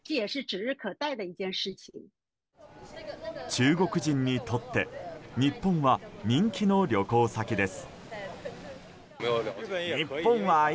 中国人にとって日本は人気の旅行先です。